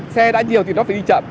xe đã nhiều thì nó phải đi chậm